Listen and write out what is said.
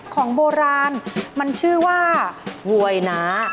ของโบราณมันชื่อว่าหวยน้า